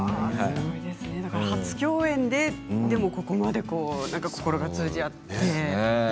初共演ででもここまで心が通じ合って。